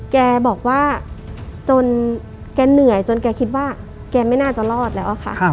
แกบอกว่าจนแกเหนื่อยจนแกคิดว่าแกไม่น่าจะรอดแล้วอะค่ะ